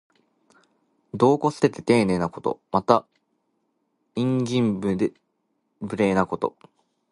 度を越してていねいなこと。また、慇懃無礼なこと。